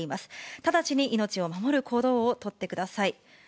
直ちに命を守る行動を取ってください。